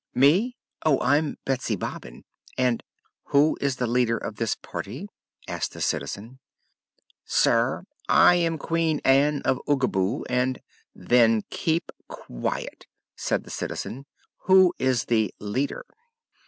"Me? Oh, I'm Betsy Bobbin, and " "Who is the leader of this party?" asked the Citizen. "Sir, I am Queen Ann of Oogaboo, and " "Then keep quiet," said the Citizen. "Who is the leader?"